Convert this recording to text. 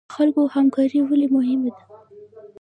د خلکو همکاري ولې مهمه ده؟